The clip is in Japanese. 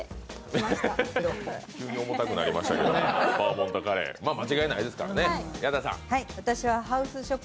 急に重たくなりましたけれども、バーモントカレー、間違いないですからね。